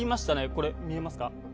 これ、見えますか？